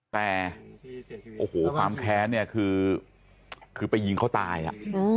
แต่โอ้โหความแค้นเนี่ยคือคือไปยิงเขาตายอ่ะ